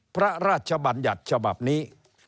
พระราชบัญญัติฉบับนี้